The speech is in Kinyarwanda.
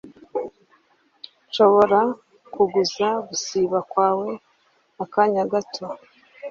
Nshobora kuguza gusiba kwawe akanya gato?